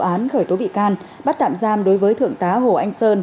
án khởi tố bị can bắt tạm giam đối với thượng tá hồ anh sơn